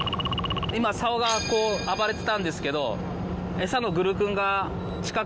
今竿がこう暴れてたんですけど。